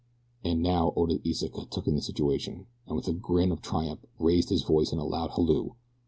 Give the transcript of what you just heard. And now Oda Iseka took in the situation, and with a grin of triumph raised his voice in a loud halloo.